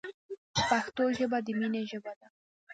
پښتو ژبه د مینې ژبه ده.